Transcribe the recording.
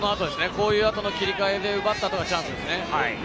こういう後の切り替えで奪った後がチャンスですよね。